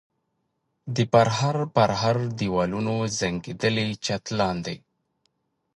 د پرهر پرهر دېوالونو زنګېدلي چت لاندې.